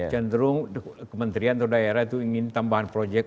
cenderung kementrian atau daerah ingin tambahan projek